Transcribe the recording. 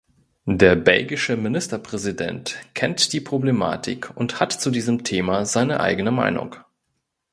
Der belgische Ministerpräsident kennt die Problematik und hat zu diesem Thema seine eigene Meinung.